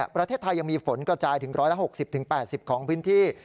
ประเทศไทยยังมีฝนกระจายถึง๑๖๐๘๐ของพื้นที่